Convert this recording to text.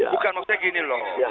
bukan maksudnya gini loh